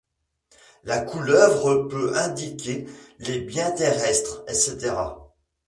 La couleuvre peut indiquer les biens terrestres, etc.